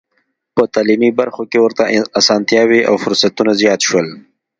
په تعلیمي برخو کې ورته اسانتیاوې او فرصتونه زیات شول.